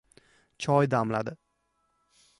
Choy damladi.